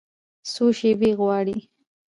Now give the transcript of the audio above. څو شیبې غواړي